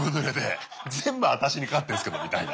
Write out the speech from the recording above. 全部あたしにかかってんですけどみたいな。